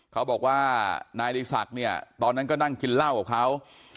เขาบอกว่านายดีศักดิ์เนี่ยตอนนั้นก็นั่งกินเหล้ากับเขา